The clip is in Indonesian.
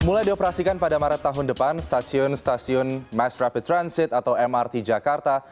mulai dioperasikan pada maret tahun depan stasiun stasiun mass rapid transit atau mrt jakarta